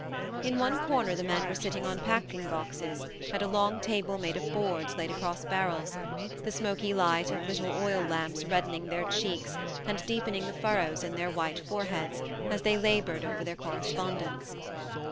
In one corner the men were sitting on packing boxes at a long table made of boards laid across barrels, the smoky light of little oil lamps reddening their cheeks and deepening the furrows in their white foreheads as they laboured over their correspondence.